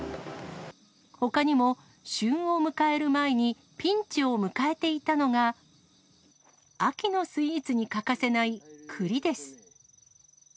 ほかにも旬を迎える前に、ピンチを迎えていたのが、秋のスイーツに欠かせないくりです。